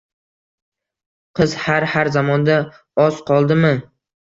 Qiz har-har zamonda Oz qoldimi